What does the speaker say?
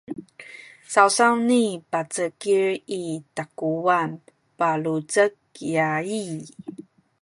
sawsawni pacekil i takuwan palucek kya i